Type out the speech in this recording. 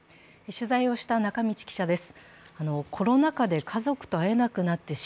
取材をした中道記者です。